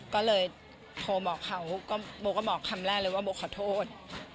ก็เลยโทรบอกเขาโบก็บอกคำแรกเลยว่าโบขอโทษ